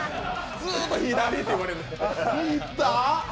ずーっと左って言われてて。